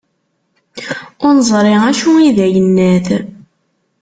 Ur nezṛi acu i d ayennat.